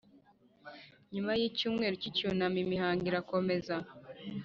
Nyuma y’icyumweru cy ‘icyunamo imihango irakomeza.